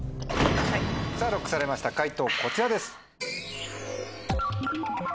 さぁＬＯＣＫされました解答こちらです。